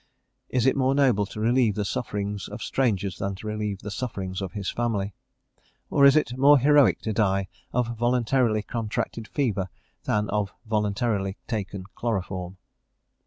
Is it more noble to relieve the sufferings of strangers, than to relieve the sufferings of his family? or is it more heroic to die of voluntarily contracted fever, than of voluntarily taken chloroform?